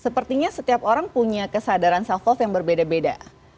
sepertinya setiap orang punya kesadaran self love yang berbeda beda